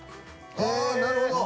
ああなるほど！